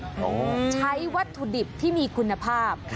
ใช้วัตถุดิบที่มีคุณภาพ